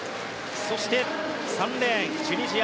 そして、３レーンチュニジア、